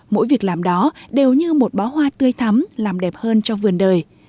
mỗi việc làm đó đều như một bó hoa tươi thắm làm đẹp hơn cho vườn đời